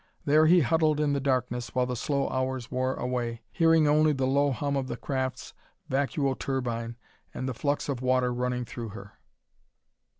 There he huddled in the darkness, while the slow hours wore away, hearing only the low hum of the craft's vacuo turbine and the flux of water running through her.